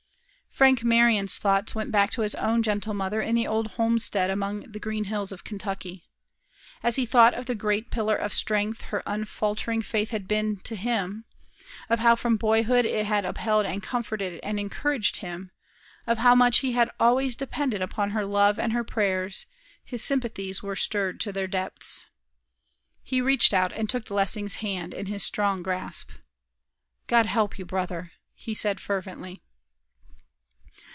Frank Marion's thoughts went back to his own gentle mother in the old homestead among the green hills of Kentucky. As he thought of the great pillar of strength her unfaltering faith had been to him, of how from boyhood it had upheld and comforted and encouraged him, of how much he had always depended upon her love and her prayers, his sympathies were stirred to their depths. He reached out and took Lessing's hand in his strong grasp. "God help you, brother!" he said, fervently.